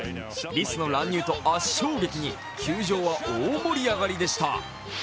リスの乱入と圧勝劇に球場は大盛り上がりでした。